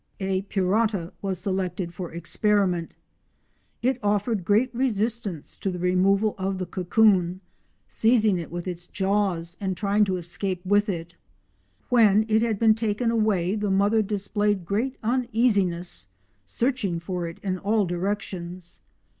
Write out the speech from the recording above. A Pirata was selected for experiment. It offered great resistance to the removal of the cocoon, seizing it with its jaws and trying to escape with it. When it had been taken away the mother displayed great uneasiness, searching for it in all directions.